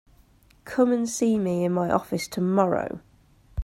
Come in and see me in my office tomorrow.